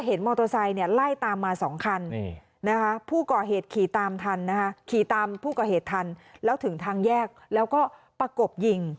เขาเอามาจำนำครับ